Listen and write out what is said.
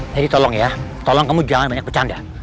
jadi tolong ya tolong kamu jangan banyak bercanda